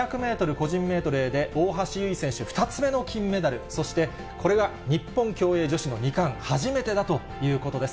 個人メドレーで、大橋悠依選手、２つ目の金メダル、そしてこれが日本競泳女子の２冠、初めてだということです。